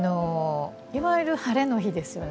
いわゆるハレの日ですよね。